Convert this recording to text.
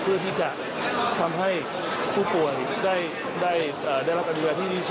เพื่อที่จะทำให้ผู้ป่วยได้รับอนุญาที่๒๐ปี